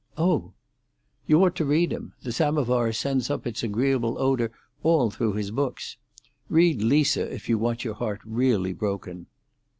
"Oh!" "You ought to read him. The samovar sends up its agreeable odour all through his books. Read Lisa if you want your heart really broken.